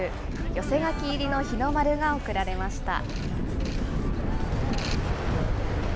寄せ書き入りの日の丸が贈られました。